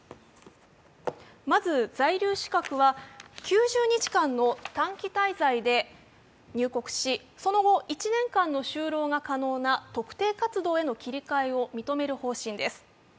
まず在留資格は９０日間の短期滞在で入国し、その後、１年間の就労が可能な特定活動への切り替えを認める方針です。